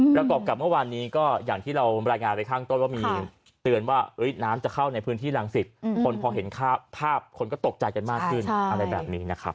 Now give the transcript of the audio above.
ประกอบกับเมื่อวานนี้ก็อย่างที่เรารายงานไปข้างต้นว่ามีเตือนว่าน้ำจะเข้าในพื้นที่รังสิตคนพอเห็นภาพคนก็ตกใจกันมากขึ้นอะไรแบบนี้นะครับ